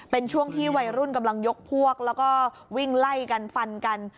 เป็นช่วงที่วัยรุ่นกำลังยกพวกแล้วก็วิ่งไล่กันฟันกัน